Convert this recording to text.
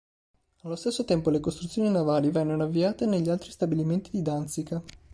Allo stesso tempo le costruzioni navali vennero avviate negli altri stabilimenti di Danzica.